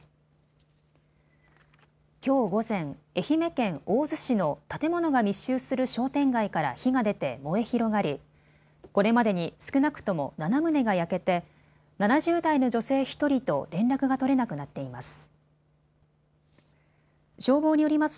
きょう午前、愛媛県大洲市の建物が密集する商店街から火が出て燃え広がりこれまでに少なくとも７棟が焼けて７０代の女性１人と連絡が取れなくなっています。